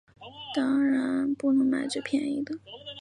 当然只能买最便宜的